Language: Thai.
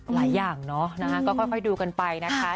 หลายอย่างเนาะก็ค่อยดูกันไปนะคะ